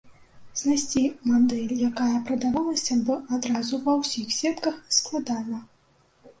Знайсці мадэль, якая прадавалася б адразу ва ўсіх сетках, складана.